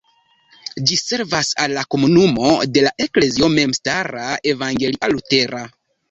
Ĝi servas al la komunumo de la Eklezio memstara evangelia-lutera.